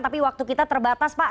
tapi waktu kita terbatas pak